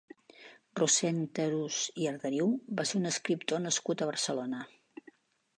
Rossend Arús i Arderiu va ser un escriptor nascut a Barcelona.